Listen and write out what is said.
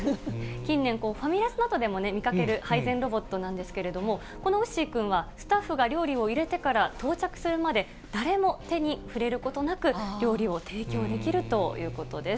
近年、ファミレスなどでも見かける配膳ロボットなんですけれども、このウッシーくんはスタッフが料理を入れてから到着するまで、誰も手に触れることなく、料理を提供できるということです。